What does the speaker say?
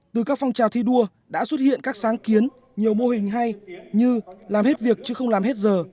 từ các phong trào thi đua đã xuất hiện các sáng kiến nhiều mô hình hay như làm hết việc chứ không làm hết giờ